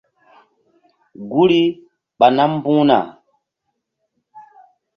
Guri ɓa nam mbu̧h na.